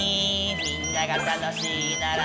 「みんなが楽しいなら」